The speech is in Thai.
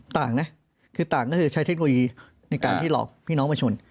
ต่างนะคือต่างก็คือใช้เทคโนโลยีในการที่หลอกพี่น้องประชน